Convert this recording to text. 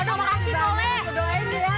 nanti kalau main deh